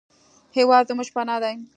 هېواد زموږ پناه دی